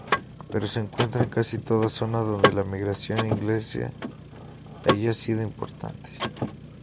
Pero se encuentra en casi toda zona donde la migración inglesa haya sido importante.